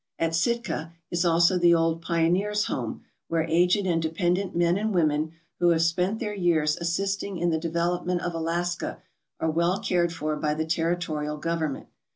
At Sitka is also the Old Pioneers' Home where aged and dependent men and women, who have spent their years assisting in the development of Alaska, are well cared for by the territorial government.